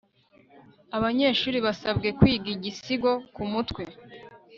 abanyeshuri basabwe kwiga igisigo kumutwe